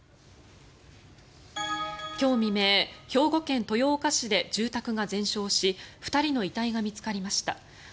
今日未明兵庫県豊岡市で住宅が全焼し２人の遺体が見つかりました。